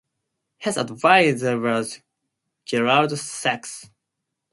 His advisor was Gerald Sacks.